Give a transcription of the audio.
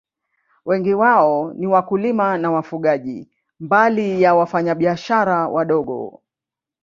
Wengi wao ni wakulima na wafugaji, mbali ya wafanyabiashara wadogo.